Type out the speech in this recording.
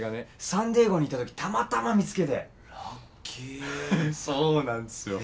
サンディエゴに行ったときたまたま見つけてラッキーそうなんですよ